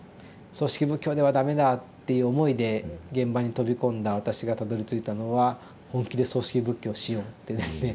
「葬式仏教では駄目だ」っていう思いで現場に飛び込んだ私がたどりついたのは「本気で葬式仏教しよう」っていうですね